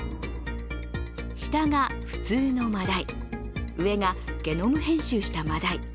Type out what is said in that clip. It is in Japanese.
下が普通のマダイ上がゲノム編集したマダイ。